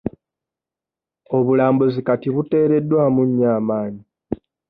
Obulambuzi kati buteereddwamu nnyo amaanyi.